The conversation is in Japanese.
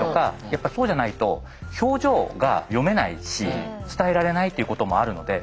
やっぱそうじゃないと表情が読めないし伝えられないということもあるので。